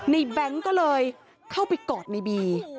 แบงค์ก็เลยเข้าไปกอดในบี